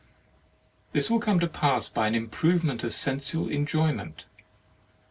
This will come to pass by an im provement of sensual enjoyment.